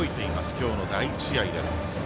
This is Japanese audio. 今日の第１試合です。